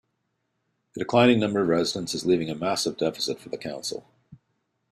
The declining number of residents is leaving a massive deficit for the council.